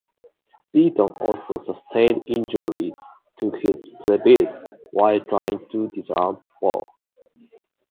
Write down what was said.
Beaton also sustained injuries to his pelvis while trying to disarm Ball.